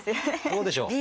どうでしょう？